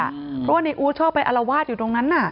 เพราะว่าในอู๊ดชอบไปอารวาสอยู่ตรงนั้นน่ะ